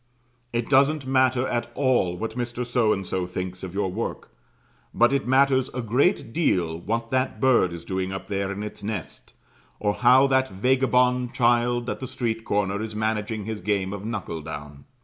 It doesn't matter at all what Mr. So and so thinks of your work; but it matters a great deal what that bird is doing up there in its nest, or how that vagabond child at the street corner is managing his game of knuckle down.